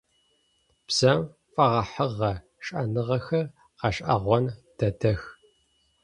Бзэм фэгъэхьыгъэ шӏэныгъэхэр гъэшӏэгъон дэдэх.